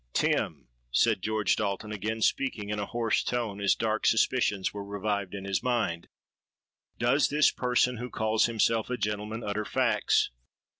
—'Tim,' said George Dalton, again speaking in a hoarse tone, as dark suspicions were revived in his mind, 'does this person who calls himself a gentleman utter facts?